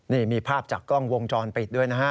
นี่มีภาพจากกล้องวงจรปิดด้วยนะฮะ